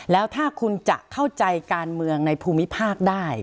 แล้วถ้าคุณจะเข้าใจการเมืองในภูมิภาคได้